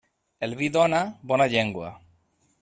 El vi dóna bona llengua.